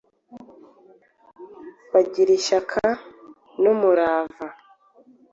bagira ishyaka n’umurava,